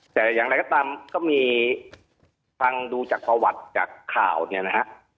แต่อย่างไรก็ตามก็มีฟังดูจากประวัติจากข่าวเนี่ยนะฮะ